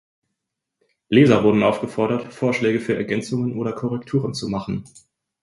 Leser wurden aufgefordert, Vorschläge für Ergänzungen oder Korrekturen zu machen.